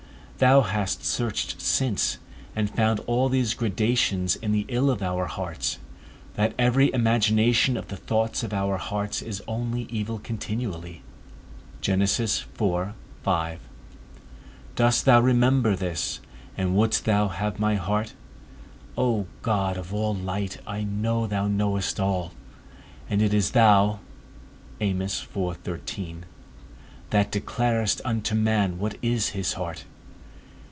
Thou hast searched since, and found all these gradations in the ill of our hearts, that every imagination of the thoughts of our hearts is only evil continually. Dost thou remember this, and wouldst thou have my heart? O God of all light, I know thou knowest all, and it is thou that declarest unto man what is his heart.